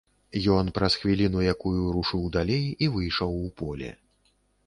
Ён праз хвіліну якую рушыў далей і выйшаў у поле.